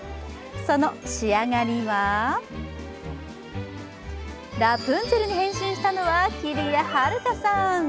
その仕上がりはラプンツェルに変身したのはきりやはるかさん。